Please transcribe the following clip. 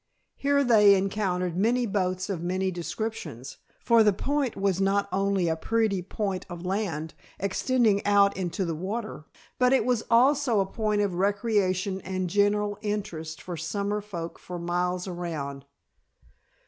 Here they encountered many boats of many descriptions, for the Point was not only a pretty point of land extending out into the water, but it was also a point of recreation and general interest for summer folk for miles around.